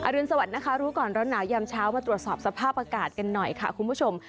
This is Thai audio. รุนสวัสดินะคะรู้ก่อนร้อนหนาวยามเช้ามาตรวจสอบสภาพอากาศกันหน่อยค่ะคุณผู้ชม